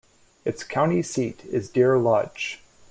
Its county seat is Deer Lodge.